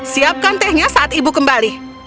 siapkan tehnya saat ibu kembali